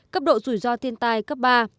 cấp độ rủi ro thiên tai cấp ba